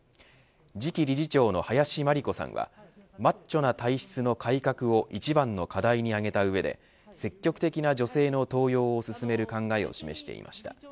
次期理事長の林真理子さんはマッチョな体質の改革を一番の課題に挙げた上で積極的な女性の登用を進める考えを示していました。